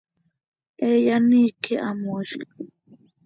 He yaniiqui hamoizct.